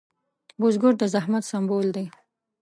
بزګر د زحمت سمبول دی